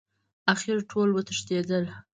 اخر ټول وتښتېدل.